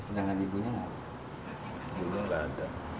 sedangkan ibunya nggak ada